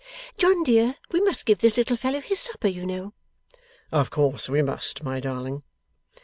John dear, we must give this little fellow his supper, you know.' 'Of course we must, my darling.